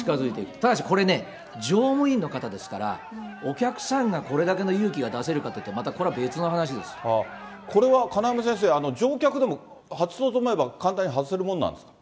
ただしこれね、乗務員の方ですから、お客さんがこれだけの勇気が出せるかというと、これは金山先生、乗客でも外そうと思えば簡単に外せるものなんですか。